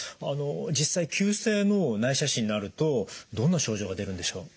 実際急性の内斜視になるとどんな症状が出るんでしょう？